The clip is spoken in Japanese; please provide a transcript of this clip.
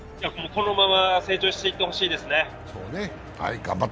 このまま成長していってほしいですね。